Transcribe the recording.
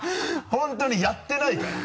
本当にやってないから。